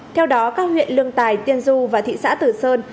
theo đó các huyện lương tài tiên du và thị xã tử sơn